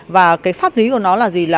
và cái pháp lý của nó là gì